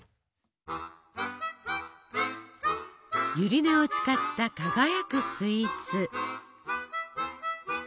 ゆり根を使った輝くスイーツ。